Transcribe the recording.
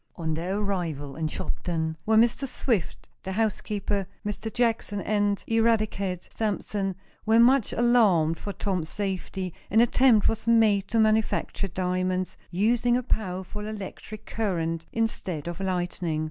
On their arrival in Shopton, where Mr. Swift, the housekeeper, Mr. Jackson and Eradicate Sampson were much alarmed for Tom's safety, an attempt was made to manufacture diamonds, using a powerful electric current instead of lightning.